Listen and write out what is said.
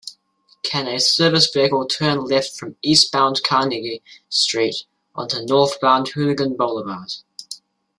Can a service vehicle turn left from eastbound Carnegie Street onto northbound Hooligan Boulevard?